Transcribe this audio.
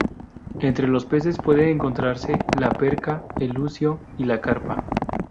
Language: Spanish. Entre los peces, puede encontrarse la perca, el lucio y la carpa.